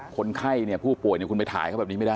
คนไข้ผู้ป่วยคุณไปถ่ายเขาแบบนี้ไม่ได้